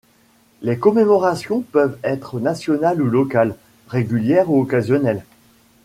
Les commémorations peuvent être nationales ou locales, régulières ou occasionnelles.